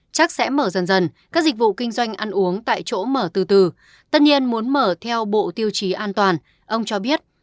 chắc sẽ mở dần dần các dịch vụ kinh doanh ăn uống tại chỗ mở từ từ tất nhiên muốn mở theo bộ tiêu chí an toàn ông cho biết